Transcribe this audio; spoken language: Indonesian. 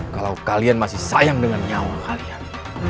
kalau kalian masih sayang dengan nyawa kalian